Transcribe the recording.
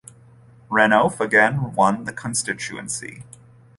Renouf again won the constituency.